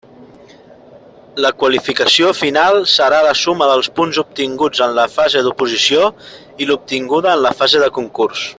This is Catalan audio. La qualificació final serà la suma dels punts obtinguts en la fase d'oposició i l'obtinguda en la fase de concurs.